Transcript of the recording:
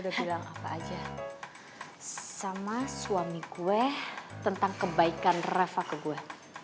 eh eh lo udah bilang apa aja sama suami gue tentang kebaikan rafa ke gue